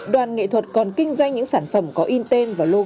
đoàn nghệ thuật còn kinh doanh những sản phẩm có in tên và logo của đoàn